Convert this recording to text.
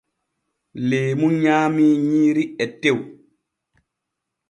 Leemu nyaamii nyiiri e tew.